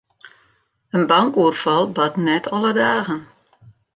In bankoerfal bart net alle dagen.